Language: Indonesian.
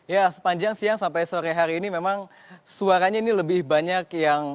ya sepanjang siang sampai sore hari ini memang suaranya ini lebih banyak yang